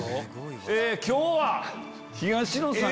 今日は。